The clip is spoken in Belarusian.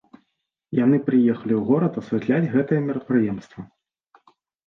Яны прыехалі ў горад асвятляць гэтае мерапрыемства.